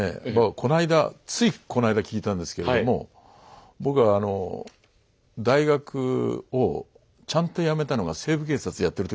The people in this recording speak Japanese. この間ついこの間聞いたんですけれども僕が大学をちゃんとやめたのが「西部警察」やってる時なんですね。